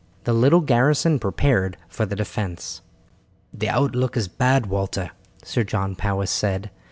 The little garrison prepared for the defence. "The outlook is bad, Walter," Sir John Powis said.